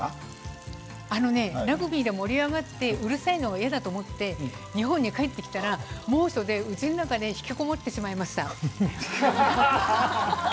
フランスラグビーで盛り上がってうるさくて嫌だと思って帰ってきたら猛暑で、うちに引きこもってしまいました。